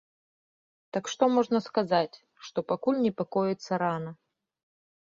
Так што можна сказаць, што пакуль непакоіцца рана.